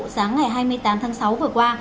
sáng ngày hai mươi tám tháng sáu vừa qua